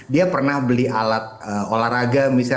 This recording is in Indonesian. dia pernah beli alat olahraga misalnya